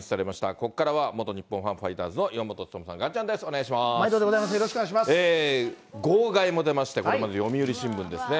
ここからは元日本ハムファイターズ、岩本勉さん、まいどでございます、よろし号外も出まして、これ、読売新聞ですね。